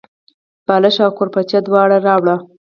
بالښت او کوربچه دواړه راوړه.